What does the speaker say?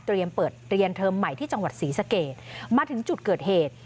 เปิดเรียนเทอมใหม่ที่จังหวัดศรีสะเกดมาถึงจุดเกิดเหตุ